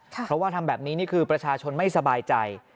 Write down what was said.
เพราะว่าทำแบบนี้นี่คือประชาชนไม่สบายใจ